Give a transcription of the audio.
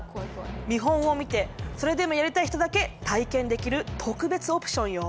見本を見てそれでもやりたい人だけ体験できる特別オプションよ。